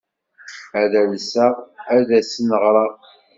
Ad alseɣ ad asen-ɣreɣ.